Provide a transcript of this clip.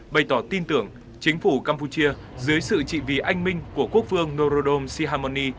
bày tỏ tin tưởng chính phủ campuchia dưới sự trị vì anh minh của quốc phương norodom sihamoni